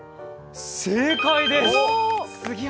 正解です。